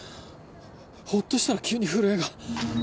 ほっとしたら急に震えが。